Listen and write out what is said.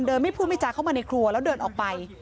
ไม่พูดไม่จาเข้ามาในครัวแล้วเดินออกไป